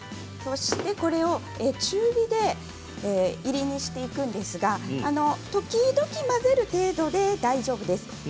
これを中火でいり煮にしていくんですが時々、混ぜる程度で大丈夫です。